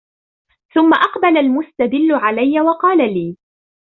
ثُمَّ أَقْبَلَ الْمُسْتَدِلُّ عَلَيَّ وَقَالَ لِي